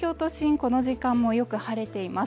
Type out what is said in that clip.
この時間もよく晴れています